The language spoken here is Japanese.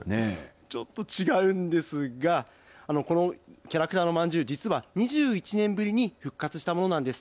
ちょっと違うんですがこのキャラクターのまんじゅう実は２１年ぶりに復活したものなんです。